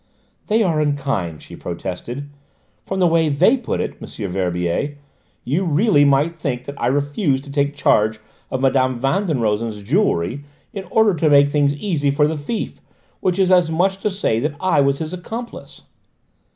"They are unkind!" she protested. "From the way they put it, M. Verbier, you really might think that I refused to take charge of Mme. Van den Rosen's jewellery in order to make things easy for the thief, which is as much as to say that I was his accomplice."